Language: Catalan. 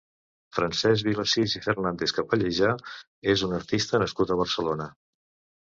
Francesc Vilasís i Fernández-Capallejà és un artista nascut a Barcelona.